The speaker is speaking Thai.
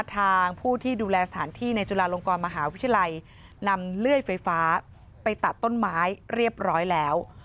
ทางผู้ที่ดูแลสถานที่ในจุฬาลงกรมหาวิทยาลัยนำเลื่อยไฟฟ้าไปตัดต้นไม้เรียบร้อยแล้ว